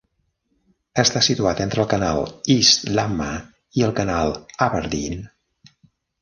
Està situat entre el canal East Lamma i el canal Aberdeen.